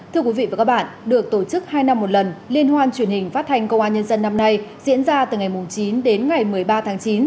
thưa quý vị và các bạn được tổ chức hai năm một lần liên hoan truyền hình phát thanh công an nhân dân năm nay diễn ra từ ngày chín đến ngày một mươi ba tháng chín